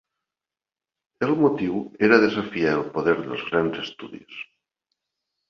El motiu era desafiar el poder dels grans estudis.